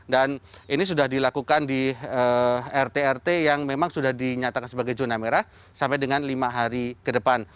dan ini sudah dilakukan di rt rt yang memang sudah dinyatakan sebagai zona merah sampai dengan lima hari ke depan